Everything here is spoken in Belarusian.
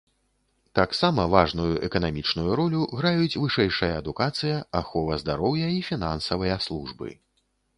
Таксама важную эканамічную ролю граюць вышэйшая адукацыя, ахова здароўя і фінансавыя службы.